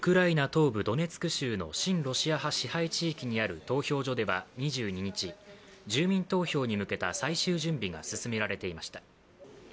東部ドネツク州の親ロシア派支配地域にある投票所では２２日、住民投票に向けた最終準備が進められていました。